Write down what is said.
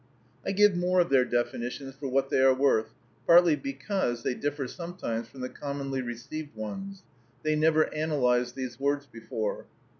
I give more of their definitions, for what they are worth, partly because they differ sometimes from the commonly received ones. They never analyzed these words before.